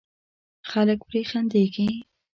خلک پرې خندېږي.